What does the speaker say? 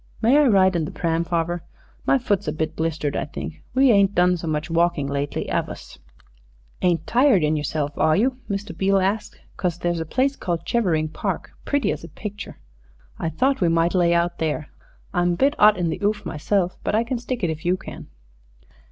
"May I ride in the pram, farver? My foot's a bit blistered, I think. We ain't done so much walkin' lately, 'ave us?" "Ain't tired in yourself, are you?" Mr. Beale asked, "'cause there's a place called Chevering Park, pretty as a picture I thought we might lay out there. I'm a bit 'ot in the 'oof meself; but I can stick it if you can."